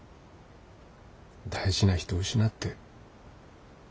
大事な人失って。